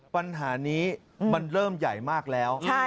ปัญหานี้มันเริ่มใหญ่มากแล้ว